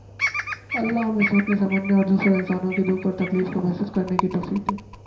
اللہ ہمیں سوچنے سمجھنے اور دوسرے انسانوں کے دکھ اور تکلیف کو محسوس کرنے کی توفیق دے